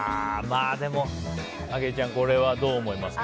でも、あきえちゃんこれはどう思いますか？